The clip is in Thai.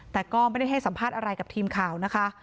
แต่ก็ไม่ได้ให้สัมภาษณ์อะไรกับทีมข่าวนะคะ